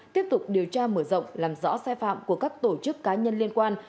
tiếp tục điều tra mở rộng làm rõ sai phạm của các tổ chức cá nhân liên quan